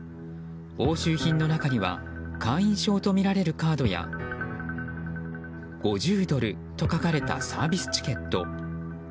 押収品の中には会員証とみられるカードや５０ドルと書かれたサービスチケット。